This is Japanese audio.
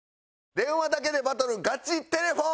電話だけでバトルガチテレフォン！